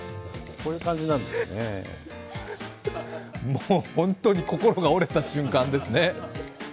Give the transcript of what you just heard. もう本当に心が折れた瞬間ですね。